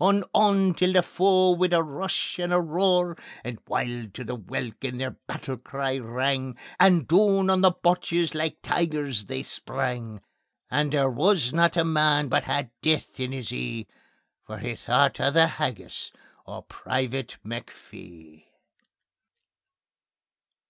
On, on tae the foe wi' a rush and a roar! And wild to the welkin their battle cry rang, And doon on the Boches like tigers they sprang: And there wisna a man but had death in his ee, For he thocht o' the haggis o' Private McPhee.